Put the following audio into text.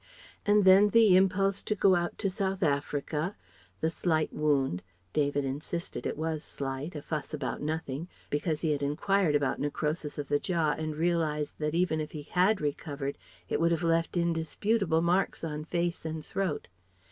and then the impulse to go out to South Africa, the slight wound David insisted it was slight, a fuss about nothing, because he had enquired about necrosis of the jaw and realized that even if he had recovered it would have left indisputable marks on face and throat.